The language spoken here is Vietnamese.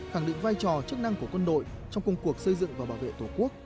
khẳng định vai trò chức năng của quân đội trong công cuộc xây dựng và bảo vệ tổ quốc